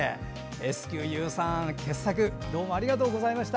ｓｑｕさん、傑作どうもありがとうございました。